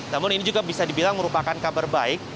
namun ini juga bisa dibilang merupakan kabar baik